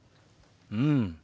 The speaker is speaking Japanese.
うん。